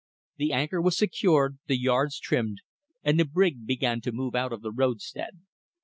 The anchor was secured, the yards trimmed, and the brig began to move out of the roadstead.